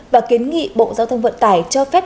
và kiến nghị bộ giao thông vận tải cho phép